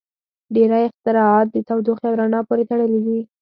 • ډیری اختراعات د تودوخې او رڼا پورې تړلي دي.